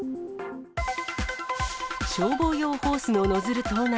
消防用ホースのノズル盗難。